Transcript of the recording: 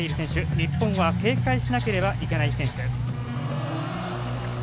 日本は警戒しないといけない選手です。